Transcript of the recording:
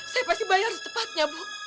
saya pasti bayar secepatnya bu